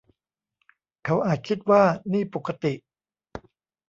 เขาอาจคิดว่านี่ปกติ